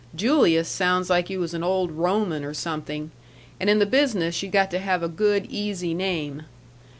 Julius sounds like you was an old Roman or something, and in the business you got to have a good easy name.